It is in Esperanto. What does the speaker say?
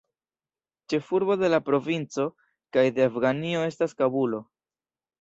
Ĉefurbo de la provinco kaj de Afganio estas Kabulo.